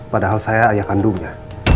padahal saya ayah kandungnya